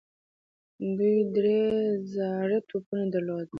دوی درې زاړه توپونه درلودل.